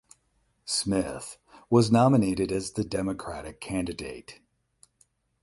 Smith was nominated as the Democratic candidate.